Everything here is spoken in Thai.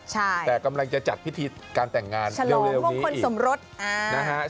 ใช่แต่กำลังจะจัดพิธีการแต่งนานเท่าอีกคนนี้ชลงทุกคนสมรส